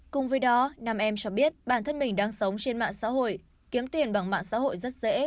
cùng với đó nam em cho biết bản thân mình đang sống trên mạng xã hội kiếm tiền bằng mạng xã hội rất dễ